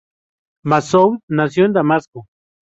Massoud nació en Damasco.